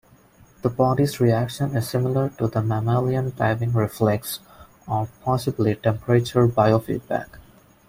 The body's reaction is similar to the mammalian diving reflex or possibly temperature biofeedback.